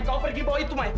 kau pergi bawa itu mai